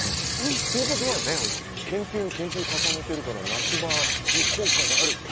ということは研究に研究を重ねているから夏場に効果がある。